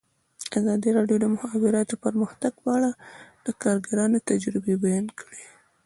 ازادي راډیو د د مخابراتو پرمختګ په اړه د کارګرانو تجربې بیان کړي.